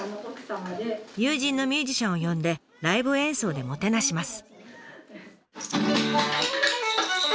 友人のミュージシャンを呼んでライブ演奏でもてなします。